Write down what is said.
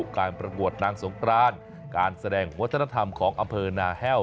การประกวดนางสงกรานการแสดงวัฒนธรรมของอำเภอนาแห้ว